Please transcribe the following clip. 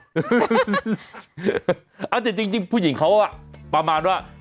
น่าจะจริงผู้หญิงเขาว่าประมาณว่า